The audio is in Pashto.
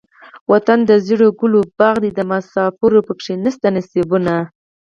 وطن دزيړو ګلو باغ دے دمسافرو پکښې نيشته نصيبونه